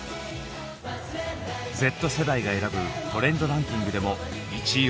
「Ｚ世代が選ぶトレンドランキング」でも１位を獲得。